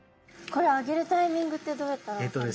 これ上げるタイミングってどうやったら分かるんですか？